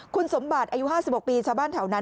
คุณสมบัติอายุ๕๖ปีชาวบ้านแถวนั้น